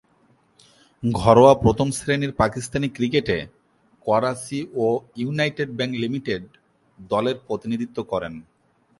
ঘরোয়া প্রথম-শ্রেণীর পাকিস্তানি ক্রিকেটে করাচি ও ইউনাইটেড ব্যাংক লিমিটেড দলের প্রতিনিধিত্ব করেন।